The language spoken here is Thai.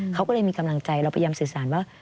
เขาก็เลยมีกำลังใจเราพยายามสื่อสารว่า